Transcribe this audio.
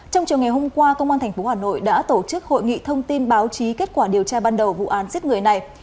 trong chiều ngày hôm qua công an tp hà nội đã tổ chức hội nghị thông tin báo chí kết quả điều tra ban đầu vụ án giết người này